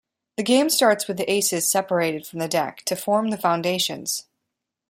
The game starts with the aces separated from the deck to form the foundations.